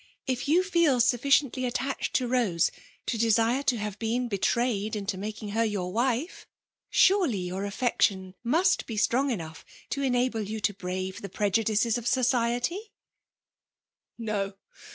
*^ If you feel suffidently at tached to Bose to desire to have been betrayed into making her your \vi£e, surely your affec tion must be strong enough to enable yon t9 brave the prejudices of society T' *' No